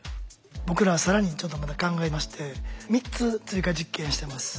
僕らは更にちょっとまた考えまして３つ追加実験してます。